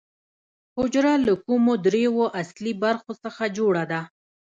حجره له کومو درېیو اصلي برخو څخه جوړه ده